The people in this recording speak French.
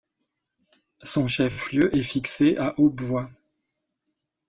Son chef-lieu est fixé à Aubevoye.